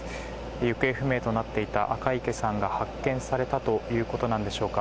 行方不明となっていた赤池さんが発見されたということなんでしょうか。